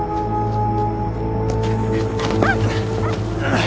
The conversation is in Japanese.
ああ！